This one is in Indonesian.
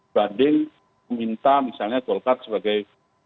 banding meminta misalnya golkar sebagai